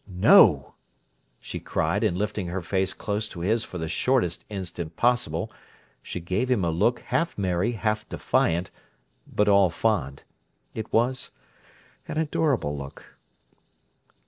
"No!" she cried and lifting her face close to his for the shortest instant possible, she gave him a look half merry, half defiant, but all fond. It was an adorable look.